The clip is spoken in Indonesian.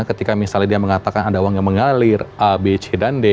ketika misalnya dia mengatakan ada uang yang mengalir a b c dan d